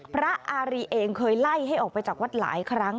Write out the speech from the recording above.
อารีเองเคยไล่ให้ออกไปจากวัดหลายครั้ง